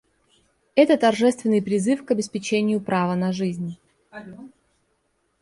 Это торжественный призыв к обеспечению права на жизнь.